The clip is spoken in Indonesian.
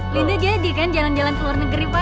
linda jadi kan jalan jalan seluruh negeri pak